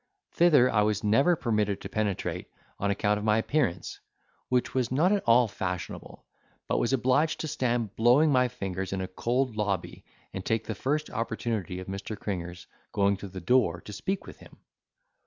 Thither I was never permitted to penetrate, on account of my appearance, which was not at all fashionable; but was obliged to stand blowing my fingers in a cold lobby, and take the first opportunity of Mr. Cringer's going to the door to speak with him.